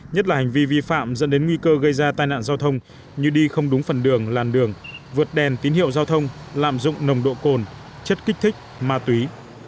nhất là hành vi vi phạm dẫn đến nguy cơ gây ra tai nạn giao thông như đi không đúng phần đường làn đường vượt đèn tín hiệu giao thông lạm dụng nồng độ cồn chất kích thích ma túy